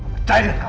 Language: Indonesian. percaya dengan kamu